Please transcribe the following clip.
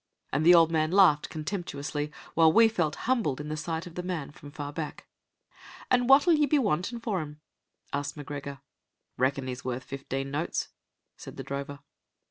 And the old man laughed contemptuously, while we felt humbled in the sight of the man from far back. "An' what'll ye be wantin' for him?" asked M'Gregor. "Reckon he's worth fifteen notes," said the drover.